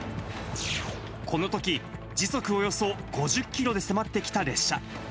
このとき、時速およそ５０キロで迫ってきた列車。